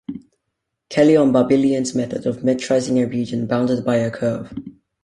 Kelley on Barbilian's method of metrizing a region bounded by a curve.